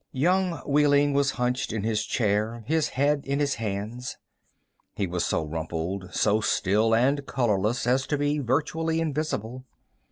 Young Wehling was hunched in his chair, his head in his hand. He was so rumpled, so still and colorless as to be virtually invisible.